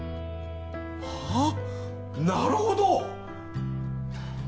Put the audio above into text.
ああなるほど！